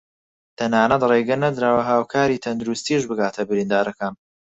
تەناتە رێگە نەدراوە هاوکاری تەندروستیش بگاتە بریندارەکان